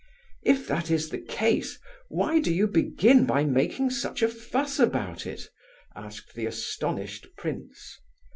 "If that is the case, why did you begin by making such a fuss about it?" asked the astonished prince.